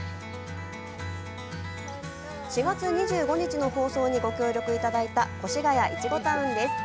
４月２５日の放送にご協力いただいた越谷いちごタウンです。